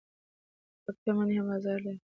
د پکتیا مڼې هم بازار لري.